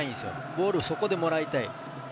ボールをそこでもらいたい。